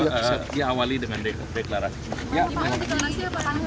dia awali dengan deklarasi